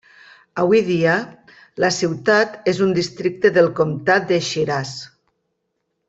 Avui dia la ciutat és un districte del comtat de Shiraz.